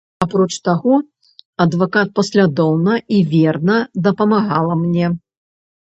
Апроч таго, адвакат паслядоўна і верна дапамагала мне.